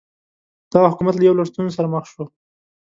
دغه حکومت له یو لړ ستونزو سره مخامخ شو.